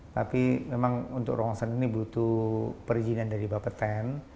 tapi memang untuk ronson ini butuh perizinan dari bapak ten